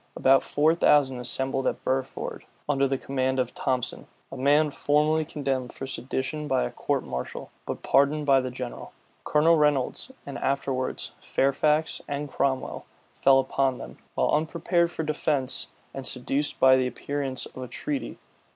About four thousand assembled at Burford, under the command of Thomson, a man formerly condemned for sedition by a court martial, but pardoned by the general. Colonel Reynolds, and afterwards Fairfax and Cromwell, fell upon them, while unprepared for defence, and seduced by the appearance of a treaty.